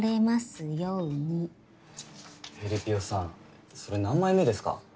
えりぴよさんそれ何枚目ですか？